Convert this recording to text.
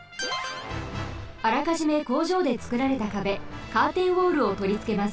あらかじめ工場でつくられた壁カーテンウォールをとりつけます。